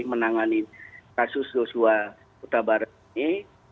menangani kasus joshua putabara ini